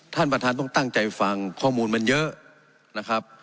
ท่านประธานต้องตั้งใจฟังข้อมูลมันเยอะนะครับ